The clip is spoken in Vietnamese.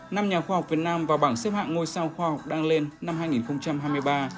năm nhà khoa học việt nam vào bảng xếp hạng ngôi sao khoa học đang lên năm hai nghìn hai mươi ba